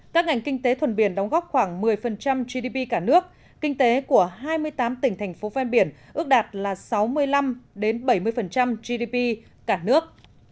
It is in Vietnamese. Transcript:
các ngành kinh tế thuần biển đóng góp khoảng một mươi gdp cả nước kinh tế của hai mươi tám tỉnh thành phố ven biển ước đạt là sáu mươi năm bảy mươi gdp cả nước